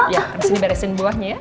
ya disini beresin buahnya ya